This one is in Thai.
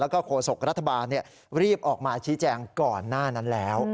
แล้วก็โฆษกรัฐบาลรีบออกมาชี้แจงก่อนหน้านั้นแล้ว